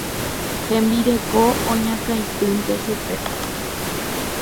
Hembireko oñakãitýnte chupe.